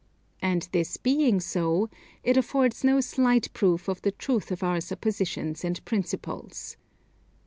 And this being so it affords no slight proof of the truth of our suppositions and principles.